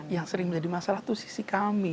yang sering menjadi masalah itu sisi kami